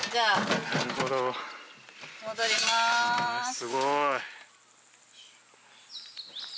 すごい。